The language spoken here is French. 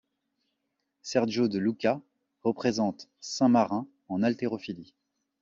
Sergio De Luca représente Saint-Marin en haltérophilie.